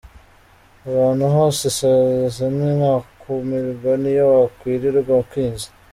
, ahantu hose isazi ni ntakumirwa niyo wakwirirwa ukinze.